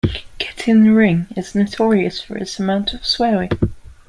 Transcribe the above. "Get in the Ring" is notorious for its amount of swearing.